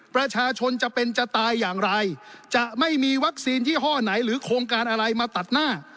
ประชาชนจะเป็นจะตายอย่างไรจะไม่มีวัคซีนยี่ห้อไหนหรือโครงการอะไรมาตัดหน้า